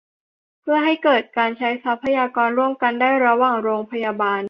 เพื่อให้เกิดการใช้ทรัพยากรร่วมกันได้ระหว่างโรงพยาบาล